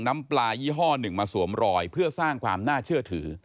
มาสร้างความน่าเชื่อถือ